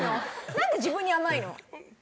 なんで自分に甘いの？